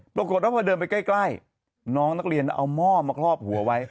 ปรากฏว่าพอเดินไปใกล้น้องนักเรียนเอาหม้อมาครอบหัวไว้